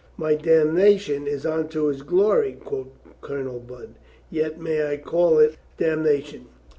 "My damnation is unto His glory," quoth Colonel Budd, "yet may I call it damnation.